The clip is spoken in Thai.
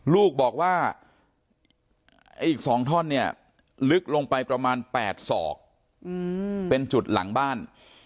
ลูกบอกว่าไอ้อีก๒ท่อนเนี่ยลึกลงไปประมาณ๘ศอกเป็นจุดหลังบ้าน